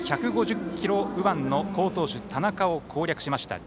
１５０キロ右腕の好投手、田中を攻略しました。